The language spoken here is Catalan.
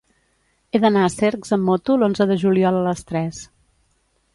He d'anar a Cercs amb moto l'onze de juliol a les tres.